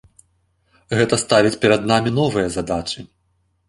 Гэта ставіць перад намі новыя задачы.